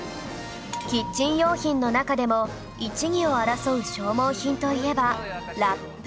キッチン用品の中でも一二を争う消耗品といえばラップ